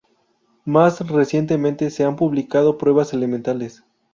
Más recientemente, se han publicado pruebas elementales.